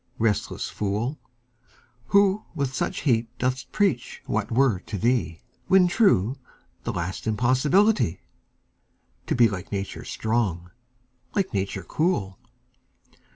Restless fool, Who with such heat dost preach what were to thee, When true, the last impossibility To be like Nature strong, like Nature cool!